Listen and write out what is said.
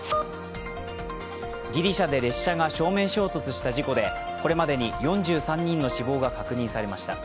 ギリシャで列車が正面衝突した事故でこれまでに４３人の死亡が確認されました。